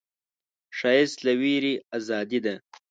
ښایست له ویرې ازادي ده